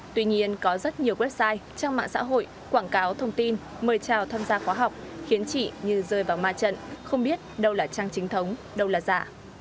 tuy nhiên có rất nhiều website trang mạng xã hội quảng cáo thông tin mời chào tham gia khóa học khiến chị như rơi vào ma trận không biết đâu là trang chính thống đâu là giả